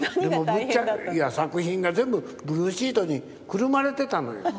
いや作品が全部ブルーシートにくるまれてたのよ。